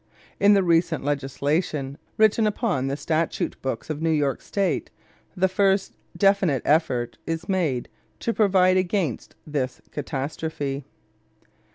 In the recent legislation written upon the statute books of New York State the first definite effort is made to provide against this catastrophe.